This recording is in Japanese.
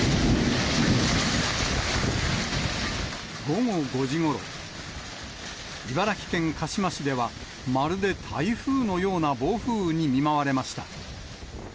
午後５時ごろ、茨城県鹿嶋市では、まるで台風のような暴風雨に見舞われました。